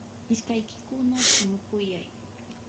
ishkaykikuna punukuyay.